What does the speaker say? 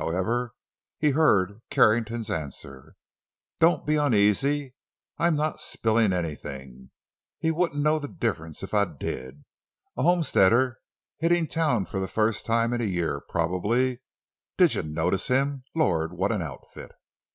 However, he heard Carrington's answer: "Don't be uneasy—I'm not 'spilling' anything. He wouldn't know the difference if I did. A homesteader hitting town for the first time in a year, probably. Did you notice him? Lord, what an outfit!"